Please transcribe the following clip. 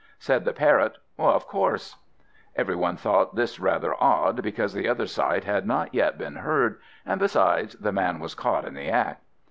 Said the Parrot, "Of course." Everybody thought this rather odd, because the other side had not yet been heard; and, besides, the man was caught in the act.